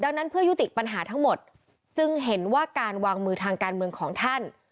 ดังนั้นเพื่อยุติปัญหาทั้งหมดจึงเห็นว่าการวางมือทางการเมืองของท่าน